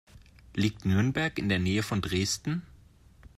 Liegt Nürnberg in der Nähe von Dresden?